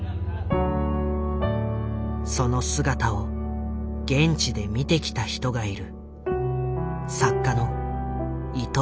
その姿を現地で見てきた人がいる。